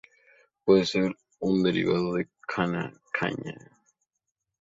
Puede ser un derivado de "canna", Caña.